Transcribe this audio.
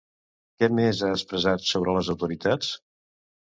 Què més ha expressat sobre les autoritats?